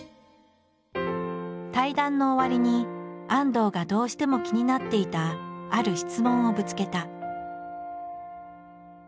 対談の終わりに安藤がどうしても気になっていたある質問をぶつけた。